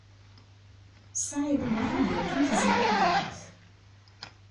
Saɛid U Muḥ yergem Tiziri Tagawawt.